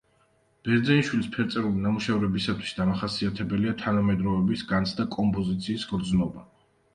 ბერძენიშვილის ფერწერული ნამუშევრებისათვის დამახასიათებელია თანამედროვეობის განცდა, კომპოზიციის გრძნობა.